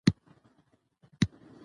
خپل لاسونه په خپلو زنګونونو کېږدئ.